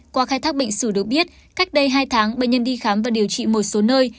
qua khai thác bệnh sử được biết cách đây hai tháng bệnh nhân đi khám và điều trị một số nơi